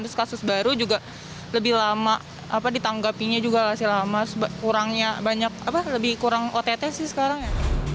terus kasus baru juga lebih lama ditanggapinya juga gak sih lama kurangnya banyak apa lebih kurang ott sih sekarang ya